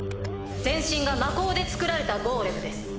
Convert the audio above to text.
全身が魔鋼で造られたゴーレムです。